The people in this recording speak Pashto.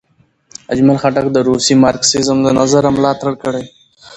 اجمل خټک د روسي مارکسیزم له نظره ملاتړ کړی.